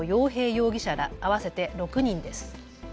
容疑者ら合わせて６人です。